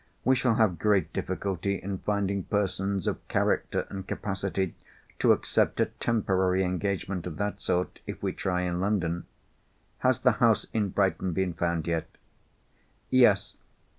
We shall have great difficulty in finding persons of character and capacity to accept a temporary engagement of that sort, if we try in London. Has the house in Brighton been found yet?" "Yes.